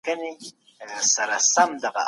تر دغي کښۍ لاندي د حج په اړه یو بل کتاب پاته و.